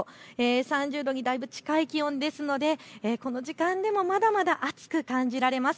３０度にだいぶ近い気温ですのでこの時間でもまだまだ暑く感じられます。